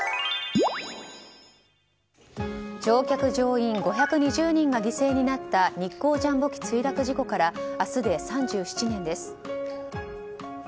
乗客・乗員５２０人が犠牲になった日航ジャンボ機墜落事故から明日で３７年です。